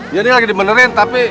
iya ini lagi dimenerin tapi